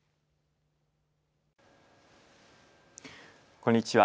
こんにちは。